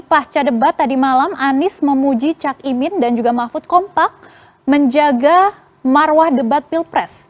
pasca debat tadi malam anies memuji cak imin dan juga mahfud kompak menjaga marwah debat pilpres